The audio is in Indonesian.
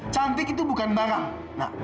cantik itu bukan barang